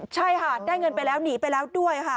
ใช่ค่ะได้เงินไปแล้วหนีไปแล้วด้วยค่ะ